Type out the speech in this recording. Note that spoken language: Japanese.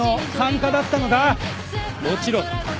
もちろん。